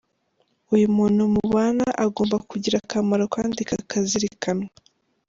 Uyu muntu mubana agomba kugira akamaro kandi kakazirikanwa.